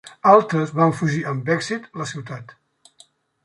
Altres van fugir amb èxit la ciutat.